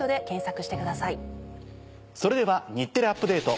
それでは『日テレアップＤａｔｅ！』